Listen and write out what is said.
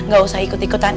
gak usah ikut ikutan